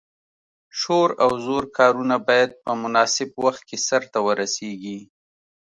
شور او زور کارونه باید په مناسب وخت کې سرته ورسیږي.